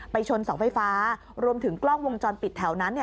ชนเสาไฟฟ้ารวมถึงกล้องวงจรปิดแถวนั้น